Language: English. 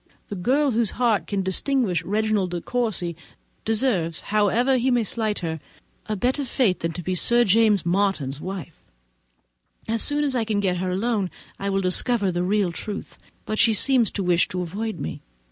The girl whose heart can distinguish Reginald De Courcy, deserves, however he may slight her, a better fate than to be Sir James Martin's wife. As soon as I can get her alone, I will discover the real truth; but she seems to wish to avoid me.